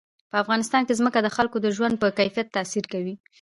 په افغانستان کې ځمکه د خلکو د ژوند په کیفیت تاثیر کوي.